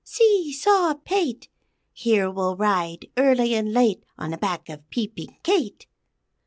See saw pate! Here we'll ride, early and late, On the back of Peeping Kate!